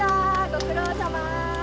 ご苦労さま！